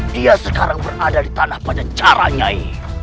dia sekarang berada di tanah panjang jarak nyai